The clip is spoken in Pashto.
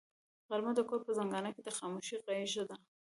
غرمه د کور په زنګانه کې د خاموشۍ غېږه ده